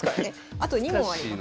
あと２問あります。